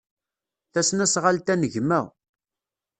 Tasnasɣalt-a n gma.